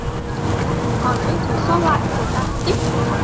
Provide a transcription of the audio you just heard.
Còn những thứ sót lại của tàn tích